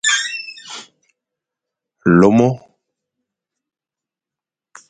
Lomo.